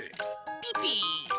ピピ。